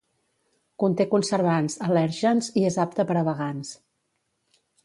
Conté conservants, al·lèrgens i és apte per a vegans.